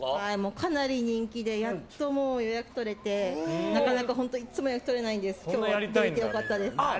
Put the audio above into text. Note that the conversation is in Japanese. かなり人気でやっと予約が取れてなかなかいつも予約が取れないんですけど今日は取れて良かったです。